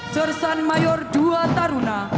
sersan mayor ii taruna